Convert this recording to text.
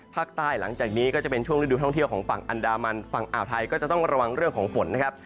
หลังจากนี้ก็จะเป็นช่วงฤดูท่องเที่ยวของฝั่งอันดามันฝั่งอ่าวไทยก็จะต้องระวังเรื่องของฝนนะครับ